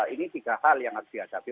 ini tiga hal yang harus dihadapi